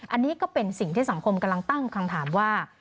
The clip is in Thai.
อันนี้ก็เป็นสิ่งที่สังคมกำลังตั้งคำถามว่า